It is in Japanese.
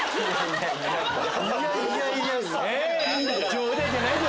冗談じゃないぞ！